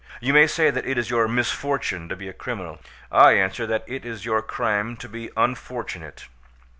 You may say that it is your misfortune to be criminal; I answer that it is your crime to be unfortunate.